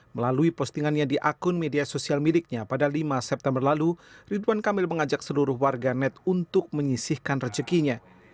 melalui postingannya di akun media sosial miliknya pada lima september lalu ridwan kamil mengajak seluruh warga net untuk menyisihkan rezekinya